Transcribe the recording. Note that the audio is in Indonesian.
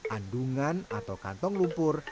andungan atau kantong lumpur